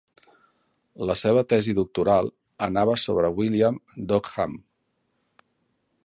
La seva tesi doctoral anava sobre William d'Ockham.